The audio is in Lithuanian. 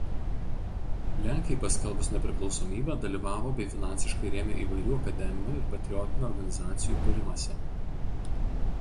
Lenkijai paskelbus nepriklausomybę dalyvavo bei finansiškai rėmė įvairių akademinių ir patriotinių organizacijų kūrimąsi.